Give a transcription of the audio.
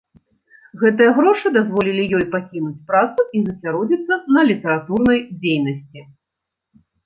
Гэтыя грошы дазволілі ёй пакінуць працу і засяродзіцца на літаратурнай дзейнасці.